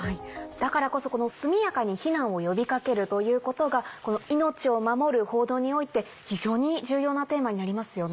だからこそこの速やかに避難を呼びかけるということが命を守る報道において非常に重要なテーマになりますよね。